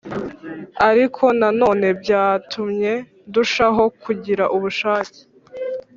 ariko nanone byatumye ndushaho kugira ubushake